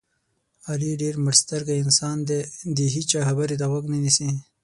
علي ډېر مړسترګی انسان دی دې هېچا خبرې ته غوږ نه نیسي.